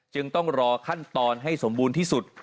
จึงต้องรอขั้นตอนให้สมบูรณ์ที่สุด